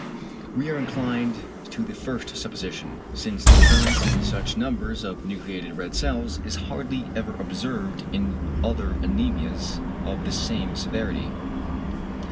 We are inclined to the first supposition, since the occurrence in such numbers of nucleated red cells is hardly ever observed in other anæmias of the same severity.